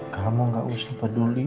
kamu gak usah peduli